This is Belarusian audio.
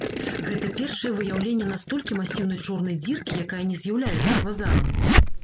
Гэта першае выяўленне настолькі масіўнай чорнай дзіркі, якая не з'яўляецца квазарам.